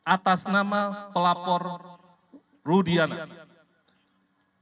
atas nama pelapor rudian